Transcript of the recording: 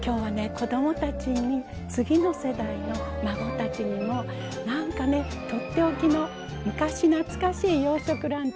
子どもたちに次の世代の孫たちにもなんかねとっておきの昔懐かしい洋食ランチ